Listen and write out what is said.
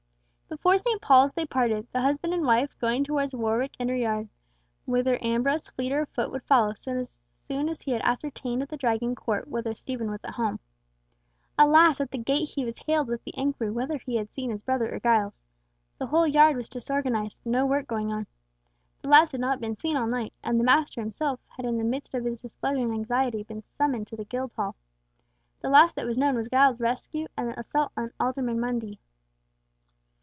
Before St. Paul's they parted, the husband and wife going towards Warwick Inner Yard, whither Ambrose, fleeter of foot, would follow, so soon as he had ascertained at the Dragon court whether Stephen was at home. Alas! at the gate he was hailed with the inquiry whether he had seen his brother or Giles. The whole yard was disorganised, no work going on. The lads had not been seen all night, and the master himself had in the midst of his displeasure and anxiety been summoned to the Guildhall. The last that was known was Giles's rescue, and the assault on Alderman Mundy.